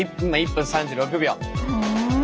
ふん。